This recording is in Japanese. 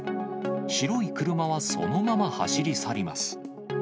白い車はそのまま走り去ります。